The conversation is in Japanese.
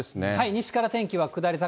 西から天気は下り坂。